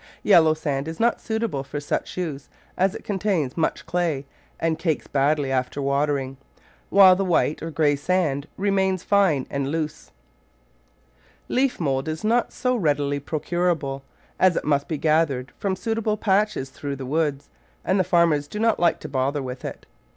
Yellow sand is not suitable for such use, as it contains much clay and cakes badly after watering, while the white or grey sand remains fine and loose. Leaf mould is not so readily procurable, as it must be gathered from suitable patches through the woods, and the farmers do not like to bother with it.